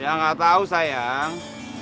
ya gak tau sayang